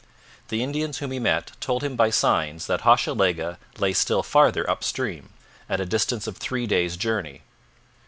The Indians whom he met told him by signs that Hochelaga lay still farther up stream, at a distance of three days' journey.